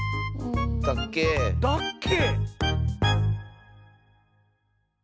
だっけ？だっけ？